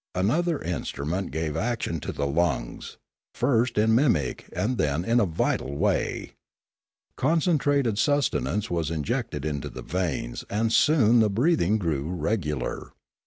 Another instrument gave ac 35° Limanora tion to the lungs, first in mimic and then in vital way. Concentrated sustenance was injected into the veins and soon the breathing grew regular.